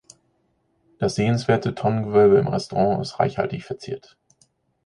Das sehenswerte Tonnengewölbe im Restaurant ist reichhaltig verziert.